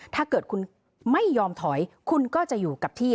ถ้าเกิดคุณไม่ยอมถอยคุณก็จะอยู่กับที่